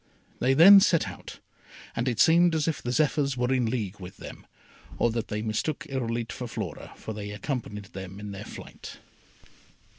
They then set out, and it seemed as if the Zephyrs were in league with them, or that they mistook Irolite for Flora, for they accompanied them in their flight.